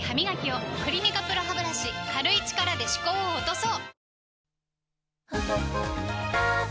「クリニカＰＲＯハブラシ」軽い力で歯垢を落とそう！